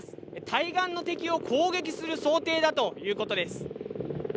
対岸の敵を砲撃する想定だということです。